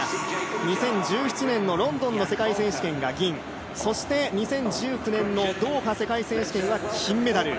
２０１７年のロンドンの世界選手権が銀、２０１９年のドーハ世界選手権は金メダル。